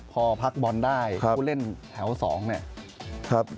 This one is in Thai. พอพักบอลได้ผู้เล่นแถว๒เนี่ย